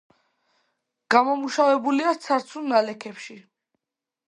გამომუშავებულია ცარცულ ნალექებში.